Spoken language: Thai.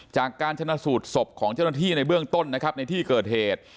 จากการชนะสูตรศพของเจ้าหน้าที่ในเบื้องต้นนะครับในที่เกิดเหตุ